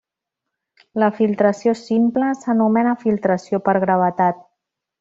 La filtració simple s'anomena filtració per gravetat.